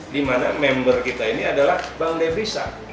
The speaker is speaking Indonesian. dimana member kita ini adalah bank devisa